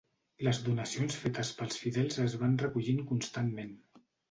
Les donacions fetes pels fidels es van recollint constantment.